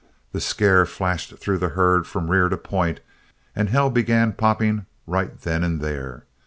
The scare flashed through the herd from rear to point, and hell began popping right then and there.